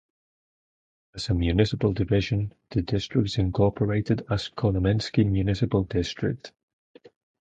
As a municipal division, the district is incorporated as Kolomensky Municipal District.